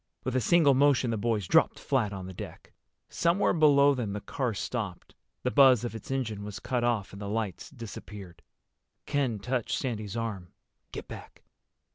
With a single motion the boys dropped flat on the deck. Somewhere below them the car stopped. The buzz of its engine was cut off and the lights disappeared. Ken touched Sandy's arm. "Get back."